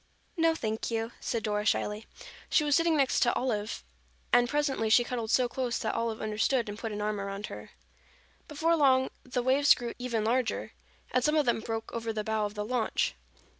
"No, thank you," said Dora shyly. She was sitting next Olive and presently she cuddled so close that Olive understood and put an arm around her. Before long the waves grew even larger and some of them broke over the bow of the launch.